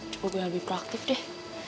coba gue lebih proaktif deh